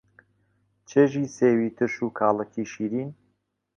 چێژی سێوی ترش و کاڵەکی شیرین